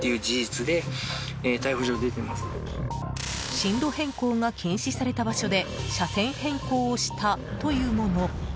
進路変更が禁止された場所で車線変更をしたというもの。